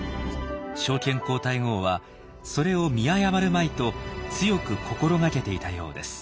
昭憲皇太后はそれを見誤るまいと強く心掛けていたようです。